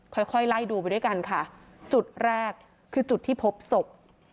ค่อยค่อยไล่ดูไปด้วยกันค่ะจุดแรกคือจุดที่พบศพ